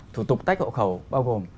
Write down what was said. thủ tục tách hộ khẩu bao gồm